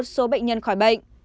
một số bệnh nhân khỏi bệnh